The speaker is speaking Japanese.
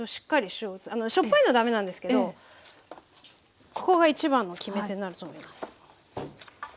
しょっぱいのはだめなんですけどここが一番の決め手になると思います。